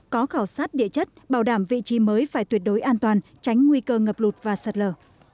có khảo sát địa chất bảo đảm vị trí mới phải tuyệt đối an toàn tránh nguy cơ ngập lụt và sạt lở